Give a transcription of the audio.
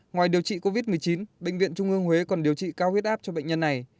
ngoài điều trị covid một mươi chín bệnh viện trung ương huế còn điều trị cao huyết áp cho bệnh nhân này